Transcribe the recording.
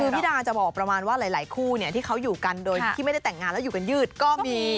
คือพี่ดาจะบอกประมาณว่าหลายคู่ที่เขาอยู่กันโดยที่ไม่ได้แต่งงานแล้วอยู่กันยืดก็มี